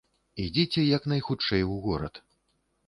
Ідзіце як найхутчэй у горад.